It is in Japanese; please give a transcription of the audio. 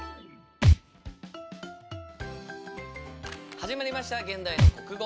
始まりました「現代の国語」。